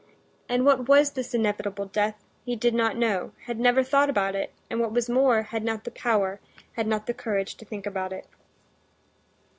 And what was this inevitable death—he did not know, had never thought about it, and what was more, had not the power, had not the courage to think about it.